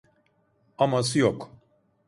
Aması yok.